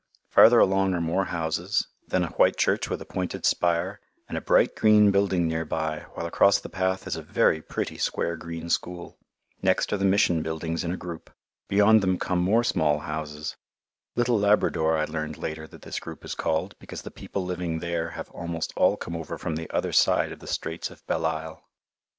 Farther along are more houses; then a white church with a pointed spire, and a bright green building near by, while across the path is a very pretty square green school. Next are the Mission buildings in a group. Beyond them come more small houses "Little Labrador" I learned later that this group is called, because the people living there have almost all come over from the other side of the Straits of Belle Isle.